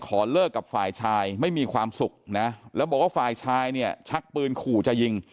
ขอเลิกกับฝ่ายชายไม่มีความสุขนะแล้วบอกว่าฝ่ายชายเนี่ยชักปืนขู่จะยิง